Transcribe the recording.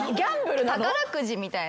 宝くじみたいな。